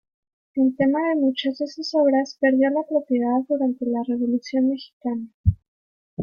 El tema de muchas de sus obras, perdió la propiedad durante la Revolución Mexicana.